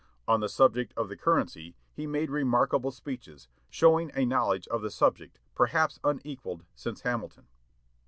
On the subject of the currency he made some remarkable speeches, showing a knowledge of the subject perhaps unequalled since Hamilton.